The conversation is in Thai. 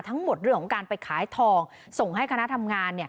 ทั้งหมดเรื่องการไปขายทองส่งให้คณะทำงาน